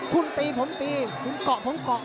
คุณตีผมตีคุณเกาะผมเกาะ